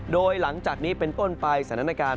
โดยหลังจากนี้เป็นต้นไปสถานการณ์